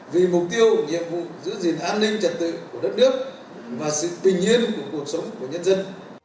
vì mục tiêu nhiệm vụ giữ gìn an ninh trật tự của đất nước và sự bình yên của cuộc sống của nhân dân